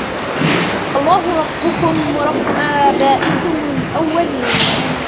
الله ربكم ورب آبائكم الأولين